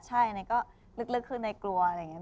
ใช่ในก็ลึกคือในกลัวอะไรอย่างนี้